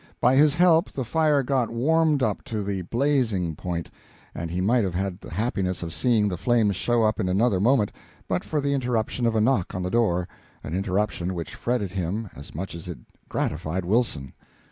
By his help the fire got warmed up to the blazing point, and he might have had the happiness of seeing the flames show up, in another moment, but for the interruption of a knock on the door an interruption which fretted him as much as it gratified Wilson.